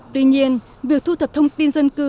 tuy nhiên việc thu thập thông tin dân cư